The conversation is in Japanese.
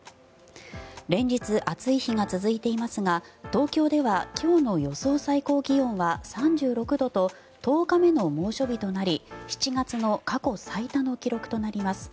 連日、暑い日が続いていますが東京では今日の予想最高気温は３６度と１０日目の猛暑日となり７月の過去最多の記録となります。